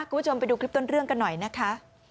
คุณผู้ชมไปดูคลิปต้นเรื่องกันหน่อยนะคะ